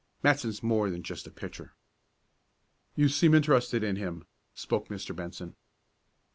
"Matson's more than just a pitcher." "You seem interested in him," spoke Mr. Benson.